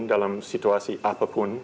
dalam situasi apapun